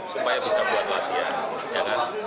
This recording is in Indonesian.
supaya bisa buat latihan